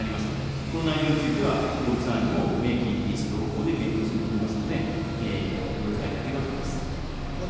この内容については、法律案にも明記する方向で検討を進めておりますので、ご理解いただければと思います。